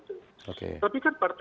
tapi kan partai golkar hari ini